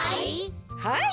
はい。